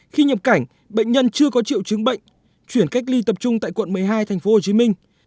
khi nhập cảnh bệnh nhân chưa có triệu chứng bệnh chuyển cách ly tập trung tại quận một mươi hai thành phố hồ chí minh